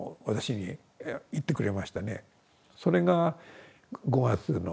それが５月の。